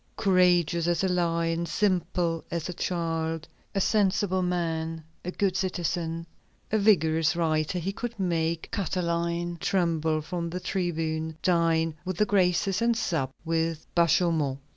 Courageous as a lion, simple as a child, a sensible man, a good citizen, a vigorous writer, he could make Catiline tremble from the tribune, dine with the Graces, and sup with Bachaumont."